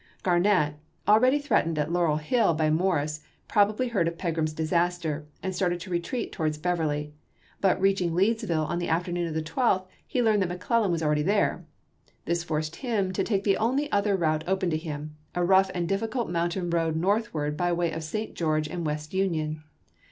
Garnett, already threatened at Laurel Hill by Morris, probably heard of Pegram's disaster, and started to retreat towards Beverly. But reaching Leedsville on the afternoon of the 12th, he learned that McClellan was already there. This forced him to take the only other route open to him, a rough and difficult mountain road northward by way of St. George and West Union.